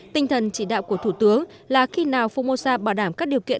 tinh thần chỉ đạo của thủ tướng là khi nào fumosa bảo đảm các điều kiện